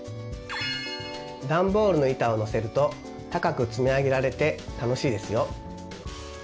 ダンボールの板をのせると高く積み上げられて楽しいですよ。